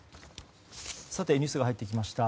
ニュースが入ってきました。